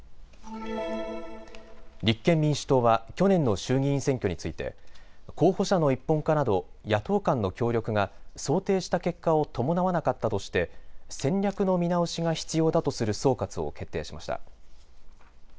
立憲民主党は去年の衆議院選挙について候補者の一本化など野党間の協力が想定した結果を伴わなかったとして戦略の見直しが必要だとする総括を決定しました。